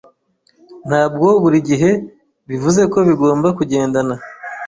Ntabwo buri gihe bivuzeko bigomba kugendana